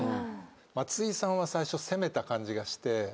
松井さんは最初攻めた感じがして。